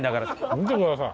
見てください。